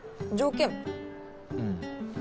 うん。